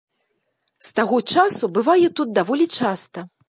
З таго часу бывае тут даволі часта.